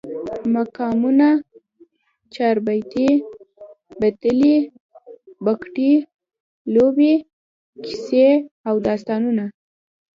مقامونه، چاربیتې، بدلې، بګتی، لوبې، کیسې او داستانونه